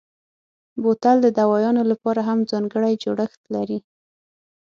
بوتل د دوایانو لپاره هم ځانګړی جوړښت لري.